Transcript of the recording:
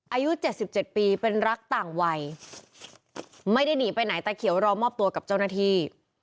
อายุ๗๗ปีเป็นรักต่างวัยไม่ได้หนีไปไหนตาเขียวรอมอบตัวกับเจ้าหน้าที่